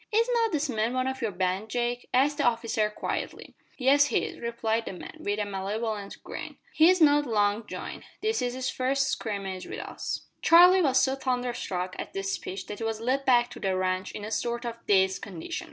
"Is not this man one of your band, Jake?" asked the officer quietly. "Yes, he is," replied the man with a malevolent grin. "He's not long joined. This is his first scrimmage with us." Charlie was so thunderstruck at this speech that he was led back to the ranch in a sort of dazed condition.